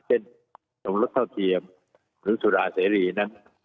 ทรงรสเท่าเทียมหรือสุราเสรีนั้น